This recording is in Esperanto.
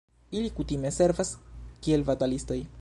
Ili kutime servas kiel batalistoj.